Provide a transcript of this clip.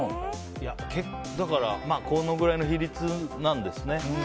このぐらいの比率なんですね。